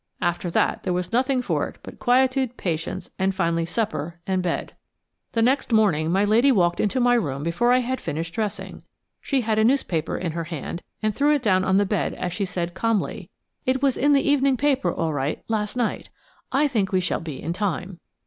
After that there was nothing for it but quietude, patience, and finally supper and bed. The next morning my lady walked into my room before I had finished dressing. She had a newspaper in her hand, and threw it down on the bed as she said calmly: "It was in the evening paper all right last night. I think we shall be in time."